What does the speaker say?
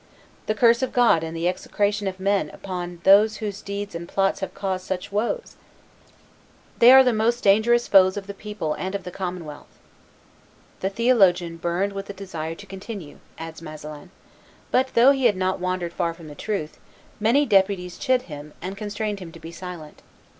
The curse of God and the execration of men upon those whose deeds and plots have caused such woes! They are the most dangerous foes of the people and of the commonwealth." "The theologian burned with a desire to continue," adds Masselin; "but though he had not wandered far from the truth, many deputies chid him and constrained him to be silent.